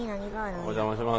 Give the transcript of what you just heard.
お邪魔します。